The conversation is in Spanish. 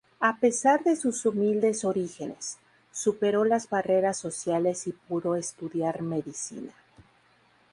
A pesar de sus humildes orígenes, superó las barreras sociales y pudo estudiar medicina.